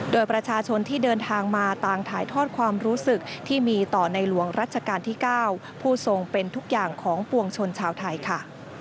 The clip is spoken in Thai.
โดยประชาชนที่เดินทางมาต่างถ่ายทอดความรู้สึกที่มีต่อในหลวงรัชกาลที่๙ผู้ทรงเป็นทุกอย่างของปวงชนชาวไทยค่ะ